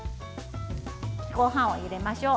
ごはんを入れましょう。